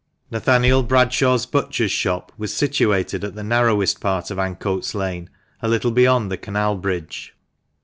Nathaniel Bradshaw's butcher's shop was situated at the nar rowest part of Ancoats Lane, a little beyond the canal bridge.